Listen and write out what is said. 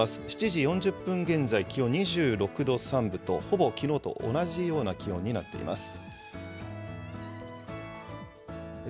７時４０分現在、気温２６度３分と、ほぼきのうと同じような気温になっています。